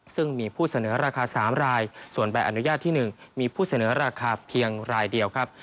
ซึ่งมีผู้เสนอราคา๓รายส่วนใบอนุญาตที่๑มีผู้เสนอราคาเพียงรายเดียวครับ